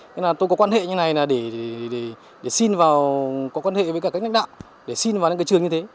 nên là tôi có quan hệ như này là để xin vào có quan hệ với cả cách lãnh đạo để xin vào những cái trường như thế